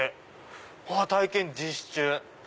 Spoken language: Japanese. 「体験実施中」。